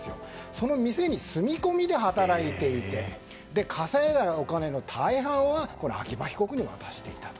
その店に住み込みで働いていて稼いだお金の大半は秋葉被告に渡していたと。